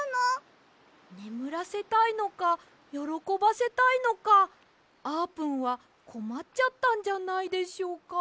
ねむらせたいのかよろこばせたいのかあーぷんはこまっちゃったんじゃないでしょうか。